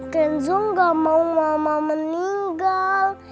kenzoo gak mau mama meninggal